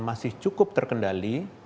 masih cukup terkendali